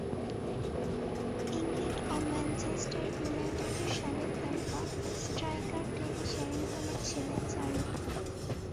England ও Manchester ইউনাইটেডের সাবেক তারকা স্ট্রাইকার টেডি শেরিংহামের ছেলে চার্লি।